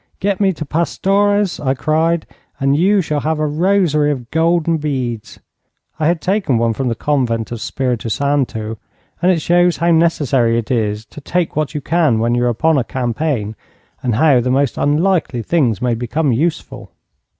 'Get me to Pastores,' I cried, 'and you shall have a rosary of golden beads.' I had taken one from the Convent of Spiritu Santo. It shows how necessary it is to take what you can when you are upon a campaign, and how the most unlikely things may become useful.